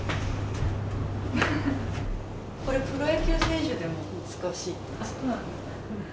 これプロ野球選手でも難しいって。